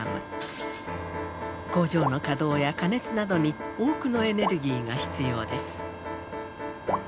工場の稼働や加熱などに多くのエネルギーが必要です。